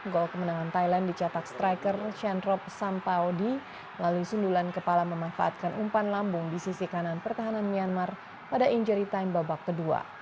gol kemenangan thailand dicetak striker shen rob sampaudi melalui sundulan kepala memanfaatkan umpan lambung di sisi kanan pertahanan myanmar pada injury time babak kedua